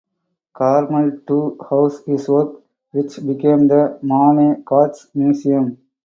Carmel to house his work, which became the Mane-Katz Museum.